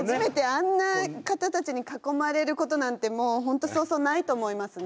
あんな方たちに囲まれることなんてもう本当そうそうないと思いますね。